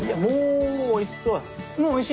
もうおいしそう。